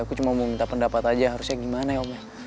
aku cuma mau minta pendapat aja harusnya gimana ya om ya